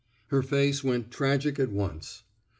Her face went tragic at once.